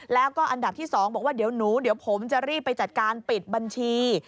แล้วก็อันดับที่๒บอกว่าเดี๋ยวหนูเดี๋ยวผมจะรีบไปจัดการปิดบัญชี